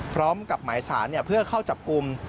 พร้อมกับหมายสารเพื่อเข้าจับกลุ่ม